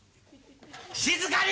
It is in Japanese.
静かに！